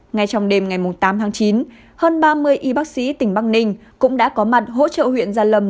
ngay trong đêm ngày tám tháng chín hơn ba mươi y bác sĩ tỉnh băng ninh cũng đã có mặt hỗ trợ huyện gia lâm